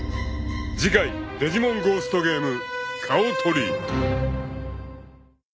［次回『デジモンゴーストゲーム』］